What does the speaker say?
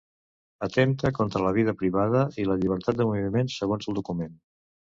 Atempta contra la vida privada i la llibertat de moviments, segons el document.